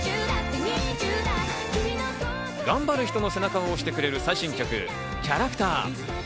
頑張る人の背中を押してくれる最新曲『キャラクター』。